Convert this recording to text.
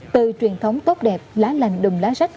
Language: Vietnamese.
từ truyền thống tốt đẹp lá lành đùm lá sách